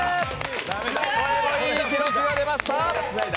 これもいい記録が出ました！